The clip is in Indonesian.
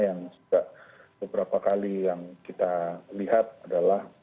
yang juga beberapa kali yang kita lihat adalah